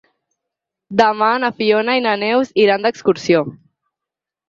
Demà na Fiona i na Neus iran d'excursió.